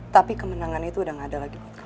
tapi kemenangan itu udah gak ada lagi buat kamu